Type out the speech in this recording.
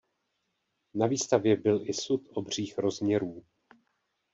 Na výstavě byl i sud obřích rozměrů.